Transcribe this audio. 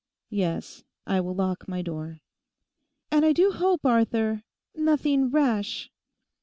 'Yes, I will lock my door.' 'And I do hope Arthur—nothing rash!